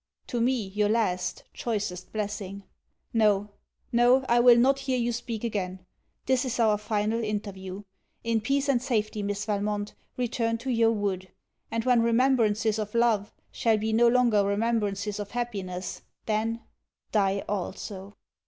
_ To me your last, choicest blessing. No! No! I will not hear you speak again. This is our final interview. In peace and safety, Miss Valmont, return to your wood; and when remembrances of love shall be no longer remembrances of happiness, then _Die also.